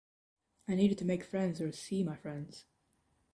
I needed to make friends or see my friends.